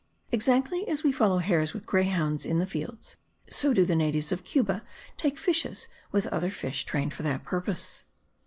(Exactly as we follow hares with greyhounds in the fields, so do the natives [of Cuba] take fishes with other fish trained for that purpose).